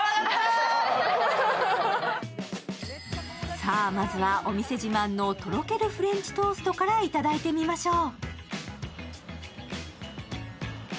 さあまずはお店自慢のとろけるフレンチトーストからいただいてみましょう。